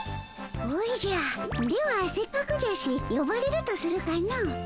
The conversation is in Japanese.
おじゃではせっかくじゃしよばれるとするかの。